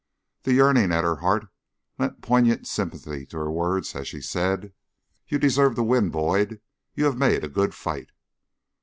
The yearning at her heart lent poignant sympathy to her words, as she said: "You deserve to win, Boyd; you have made a good fight."